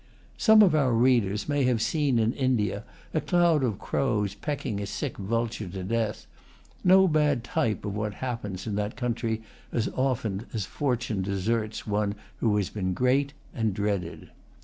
Some of our readers may have seen, in India, a cloud of crows pecking a sick vulture to death, no bad type of what happens in that country as often as fortune deserts one who has been great and dreaded.